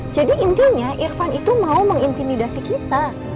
jadi intinya irfan itu mau mengintimidasi kita